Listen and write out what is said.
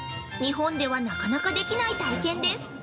日本では、なかなかできない体験です。